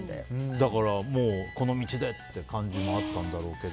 だから、この道でって感じもあったんだろうけど。